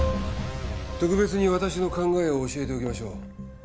特別に私の考えを教えておきましょう。